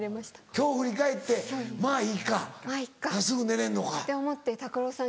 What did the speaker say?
今日振り返って「まぁいっか」がすぐ寝れんのか。って思って拓郎さん